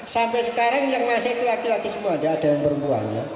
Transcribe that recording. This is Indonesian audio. sampai sekarang yang masih itu laki laki semua tidak ada yang perempuan ya